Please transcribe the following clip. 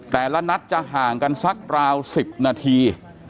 แต่ละนัดจะห่างกันสักราว๑๐นาที